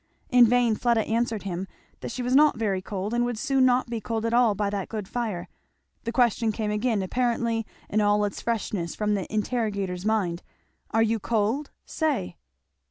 In vain Fleda answered him, that she was not very cold and would soon not be cold at all by that good fire; the question came again, apparently in all its freshness, from the interrogator's mind, "Are you cold? say!